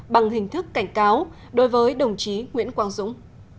bằng hình thức cảnh cáo đối với đồng chí nguyễn quang dũng